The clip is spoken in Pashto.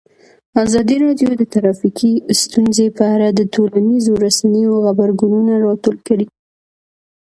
ازادي راډیو د ټرافیکي ستونزې په اړه د ټولنیزو رسنیو غبرګونونه راټول کړي.